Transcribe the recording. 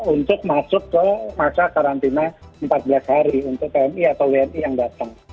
untuk masuk ke masa karantina empat belas hari untuk pmi atau wni yang datang